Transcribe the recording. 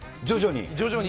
徐々に。